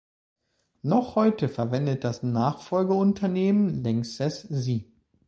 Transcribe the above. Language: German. Noch heute verwendet das Nachfolgeunternehmen Lanxess sie.